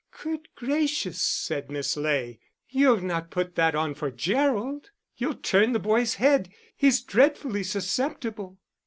"Good gracious," said Miss Ley. "You've not put that on for Gerald? You'll turn the boy's head, he's dreadfully susceptible."